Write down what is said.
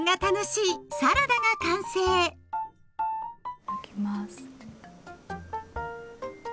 いただきます。